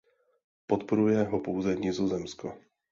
Podporuje ho pouze Nizozemsko.